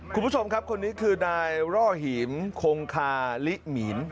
คุณผู้ชมครับคนนี้คือนายร่อหิมคงคาลิหมีน